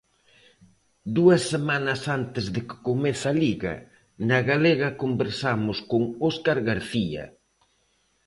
Dúas semanas antes de que comece a Liga, na Galega conversamos con Óscar García.